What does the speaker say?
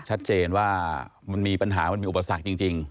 ชัดเจนว่ามันมีปัญหามันมีอุปสรรคจริง